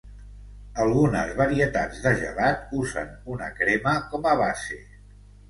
Algunes varietats de gelat usen una crema com a base.